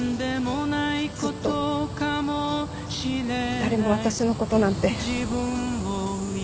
誰も私のことなんて。